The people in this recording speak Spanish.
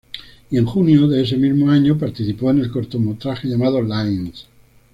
Y en junio de ese mismo año, participó en el cortometraje llamado "Lines".